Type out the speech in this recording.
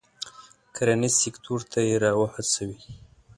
کرنیز سکتور ته یې را و هڅوي.